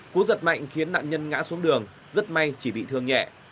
cú giật mạnh khiến nạn nhân ngã xuống đường rất may chỉ bị thương nhẹ